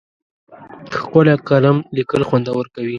ښکلی قلم لیکل خوندور کوي.